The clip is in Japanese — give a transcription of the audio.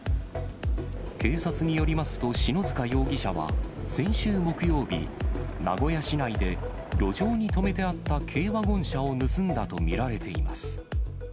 警察によりますと、篠塚容疑者は先週木曜日、名古屋市内で路上に止めてあった軽ワゴン車を盗んだと見られています。